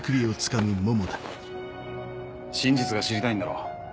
真実が知りたいんだろ？